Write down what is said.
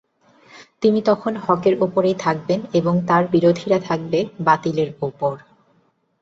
তিনি তখন হকের ওপরই থাকবেন এবং তার বিরোধীরা থাকবে বাতিলের ওপর।